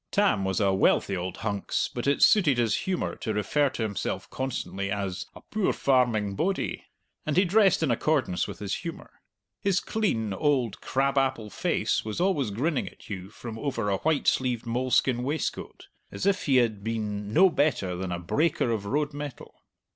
Tam was a wealthy old hunks, but it suited his humour to refer to himself constantly as "a poor farming bodie." And he dressed in accordance with his humour. His clean old crab apple face was always grinning at you from over a white sleeved moleskin waistcoat, as if he had been no better than a breaker of road metal.